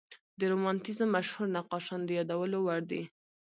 د رومانتیزم مشهور نقاشان د یادولو وړ دي.